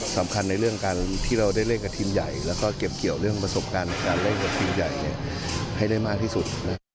สำคัญในเรื่องการที่เราได้เล่นกับทีมใหญ่แล้วก็เก็บเกี่ยวเรื่องประสบการณ์ในการเล่นกับทีมใหญ่ให้ได้มากที่สุด